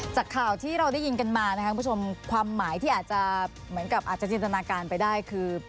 จากข่าวที่เราได้ยินกันมานะครับคุณผู้ชมความหมายที่อาจจะเหมือนกับอาจจะจินตนาการไปได้คือ